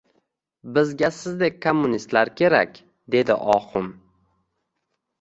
— Bizga sizdek kommunistlar kerak! — dedi Oxun-